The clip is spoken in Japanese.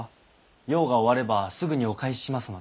用が終わればすぐにお返ししますので。